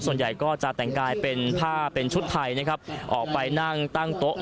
ส่วนใหญ่ก็จะแต่งกายเป็นผ้าเป็นชุดไทยนะครับออกไปนั่งตั้งโต๊ะ